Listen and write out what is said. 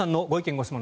・ご質問